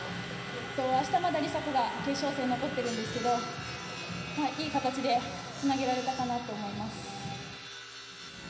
明日また、梨紗子が決勝戦に残っているんですけれど、いい形でつなげられたかなと思います。